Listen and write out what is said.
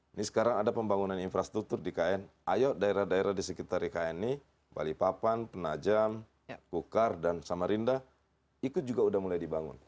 ini sekarang ada pembangunan infrastruktur di kn ayo daerah daerah di sekitar ikn ini balikpapan penajam gukar dan samarinda ikut juga sudah mulai dibangun